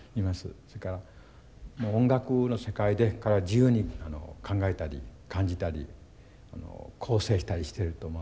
それから音楽の世界で彼は自由に考えたり感じたり構成したりしてると思うんですね。